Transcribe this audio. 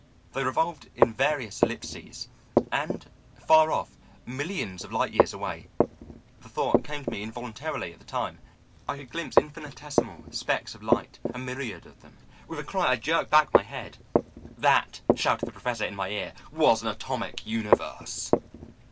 They revolved in various ellipses. And far off millions of light years away (the thought came to me involuntarily at the time) I could glimpse infinitesimal specks of light, a myriad of them. With a cry I jerked back my head. "'That,' shouted the Professor in my ear, 'was an atomic universe.'